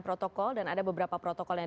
protokol dan ada beberapa protokol yang